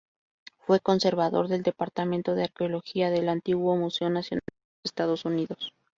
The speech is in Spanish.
Fue conservador del departamento de arqueología del antiguo Museo Nacional de los Estados Unidos.